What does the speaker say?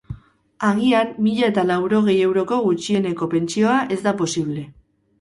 Agian mila eta laurogei euroko gutxieneko pentsioa ez da posible.